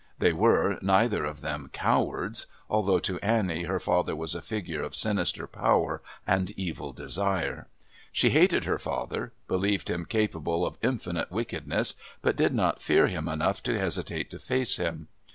They were, neither of them, cowards, although to Annie her father was a figure of sinister power and evil desire. She hated her father, believed him capable of infinite wickedness, but did not fear him enough to hesitate to face him.